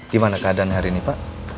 gimana keadaan hari ini pak